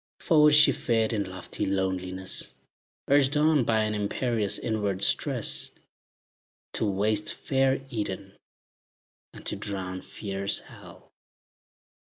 Forward she fared in lofty loneliness, Urged on by an imperious inward stress, To waste fair Eden, and to drown fierce Hell.